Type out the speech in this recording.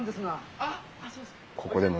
あっそうですか。